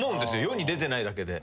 世に出てないだけで。